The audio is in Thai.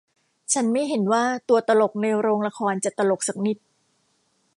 ฉันไม่เห็นว่าตัวตลกในโรงละครจะตลกสักนิด